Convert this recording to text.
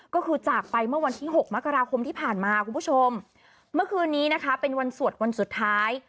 ก็คือจากไปเมื่อวันที่๖มกราคมที่ผ่านมาคุณผู้ชมเมื่อคืนนี้นะคะเป็นวันสวดวันสุดท้าย